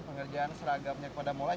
pengerjaan seragamnya kepada molai